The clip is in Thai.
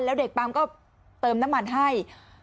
แล้วเด็กปั๊มก็เติมน้ำมันให้